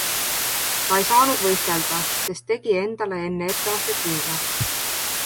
Ta ei saanud võistelda, sest tegi endale enne etteastet liiga.